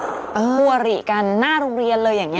คู่อริกันหน้าโรงเรียนเลยอย่างนี้